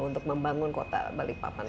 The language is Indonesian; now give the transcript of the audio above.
untuk membangun kota balikpapan